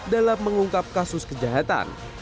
dalam mengungkap kasus kejahatan